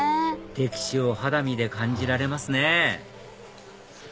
歴史を肌身で感じられますね